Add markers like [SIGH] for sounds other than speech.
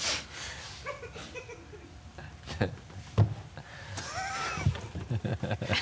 ハハハ [LAUGHS]